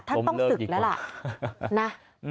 ท่านต้องศึกแล้วล่ะนะ